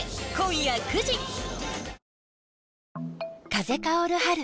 風薫る春。